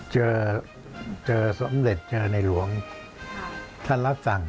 เจอเจอสำเร็จเจอในหลวงท่านระศัล